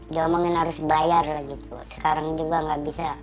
diomongin harus bayar lah gitu sekarang juga nggak bisa